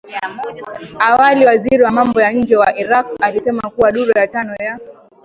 Awali waziri wa mambo ya nje wa Iraq alisema kuwa duru ya tano ya